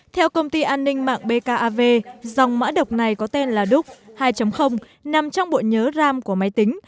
theo công ty an ninh mạng bkav dòng mã độc này có tên là đúc hai nằm trong bộ nhớ ram của máy tính